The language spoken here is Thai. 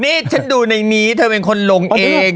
นี่ฉันดูในนี้เธอเป็นคนลงเอง